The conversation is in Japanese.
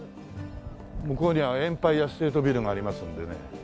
向こうにはエンパイア・ステート・ビルがありますんでね。